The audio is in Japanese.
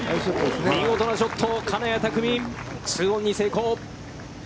見事なショット、金谷拓実、ツーオンに成功！